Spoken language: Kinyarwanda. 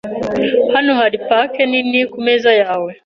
Hano hari paki nini kumeza yawe.